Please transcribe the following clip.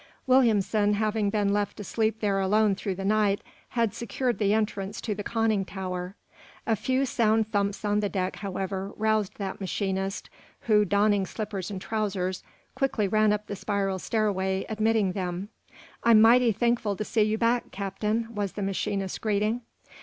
Williamson, having been left to sleep there alone through the night, had secured the entrance to the conning tower. A few sound thumps on the deck, however, roused that machinist, who, donning slippers and trousers, quickly ran up the spiral stairway, admitting them. "I'm mighty thankful to see you back, Captain," was the machinist's greeting.